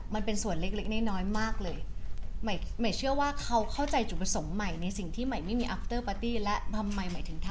มันเป็นส่วนเล็กเล็กได้เลย